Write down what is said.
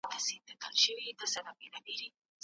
دا نوي شعرونه، چي زه وایم خدای دي